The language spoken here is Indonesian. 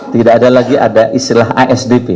tidak ada lagi ada istilah asdp